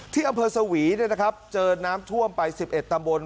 ที่อำเภอสวีเนี่ยนะครับเจอน้ำท่วมไปสิบเอ็ดตำบล